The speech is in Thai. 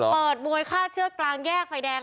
เปิดมวยฆ่าเชือกกลางแยกไฟแดง